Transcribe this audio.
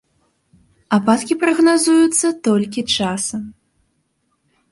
Ападкі прагназуюцца толькі часам.